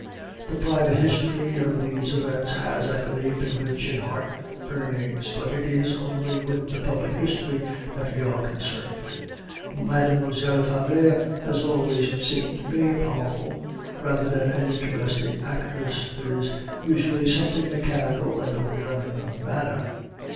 The private history of these events has, I believe, been rich in heart burnings; but it is only with the public history that we are concerned. Mademoiselle Favart has always seemed to me a powerful rather than an interesting actress; there is usually something mechanical and overdone in her manner.